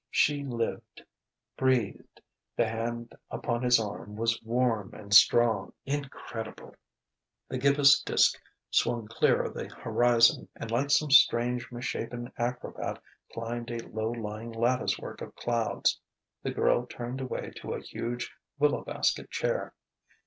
She lived; breathed; the hand upon his arm was warm and strong.... Incredible! The gibbous disk swung clear of the horizon and like some strange misshapen acrobat climbed a low lying lattice work of clouds. The girl turned away to a huge willow basket chair.